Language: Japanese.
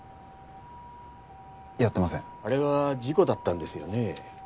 やってませんあれは事故だったんですよね？